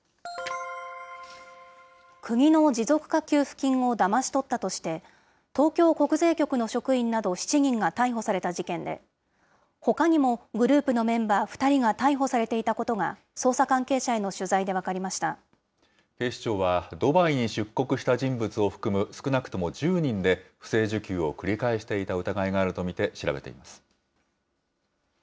国の持続化給付金をだまし取ったとして、東京国税局の職員など７人が逮捕された事件で、ほかにもグループのメンバー２人が逮捕されていたことが、捜査関警視庁は、ドバイに出国した人物を含む少なくとも１０人で、不正受給を繰り返していた疑いがあると見て調べています。